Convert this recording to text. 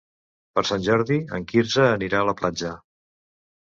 Per Sant Jordi en Quirze anirà a la platja.